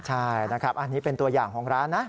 ใช่นะครับอันนี้เป็นตัวอย่างของร้านนะ